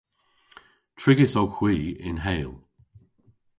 Trigys owgh hwi yn Heyl.